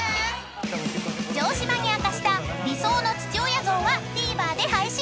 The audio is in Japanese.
［城島に明かした理想の父親像はＴＶｅｒで配信］